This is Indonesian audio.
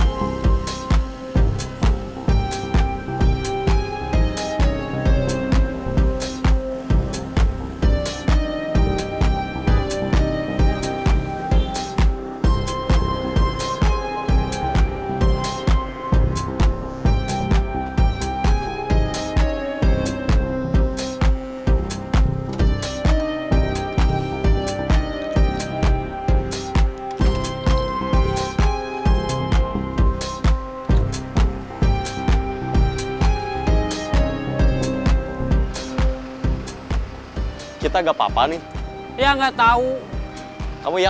jangan lupa berlangganan ya